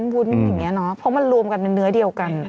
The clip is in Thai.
วุ้นอย่างนี้เนอะเพราะมันรวมกันเป็นเนื้อเดียวกัน